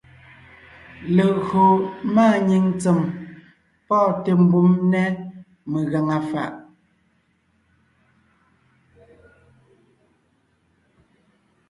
Légÿo máanyìŋ ntsèm pɔ́ɔnte mbùm nɛ́ megàŋa fàʼ.